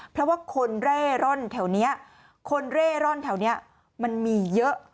เพราะว่าคนเร่ร่อนแถวนี้มันมีเยอะ